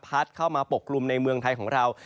เข้ามาปกกลุ่มในเมืองไทยของเรา